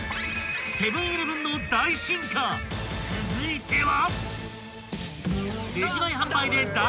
［続いては］